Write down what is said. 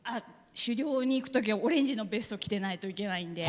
狩猟に行くときはオレンジのベストを着てないといけないんで。